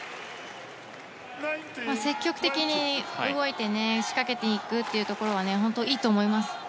積極的に動いて仕掛けていくというところは本当、いいと思います。